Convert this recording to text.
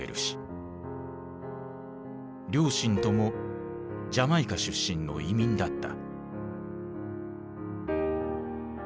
両親ともジャマイカ出身の移民だった。